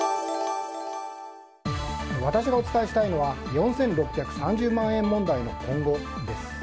私がお伝えしたいのは４６３０万円問題の今後です。